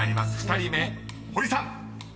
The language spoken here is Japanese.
２人目ホリさん］